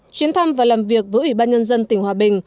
chuyến thăm và làm việc với ủy ban nhân dân tỉnh hòa bình